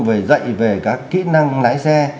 về dạy về các kỹ năng lái xe